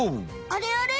あれあれ？